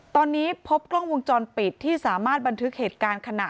ตอนนี้พบกล้องวงจรปิดที่สามารถบันทึกเหตุการณ์ขณะ